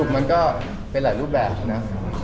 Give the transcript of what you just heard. มันก็เป็นหลายรูปแบบนะ